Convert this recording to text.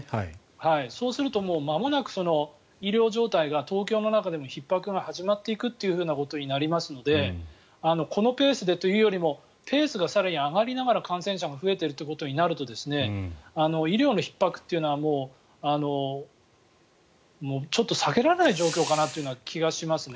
そうするとまもなく医療状態が東京の中でもひっ迫が始まっていくということになりますのでこのペースでというよりもペースが更に上がりながら感染者が増えていくということになると医療のひっ迫はもうちょっと避けられない状況かなという気がしますね。